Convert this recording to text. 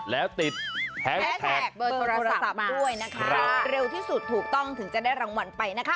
แล้วติดแฮชแท็กเบอร์โทรศัพท์ด้วยนะคะเร็วที่สุดถูกต้องถึงจะได้รางวัลไปนะคะ